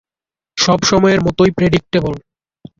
সবসময়ের মতোই প্রেডিক্টেবল।